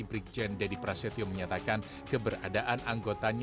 brigjen deddy prasetyo menyatakan keberadaan anggotanya